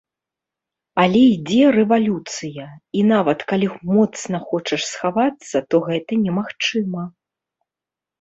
Але ідзе рэвалюцыя, і нават калі моцна хочаш схавацца, то гэта немагчыма.